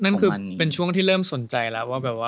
นั่นคือเป็นช่วงที่เริ่มสนใจแล้วว่าแบบว่า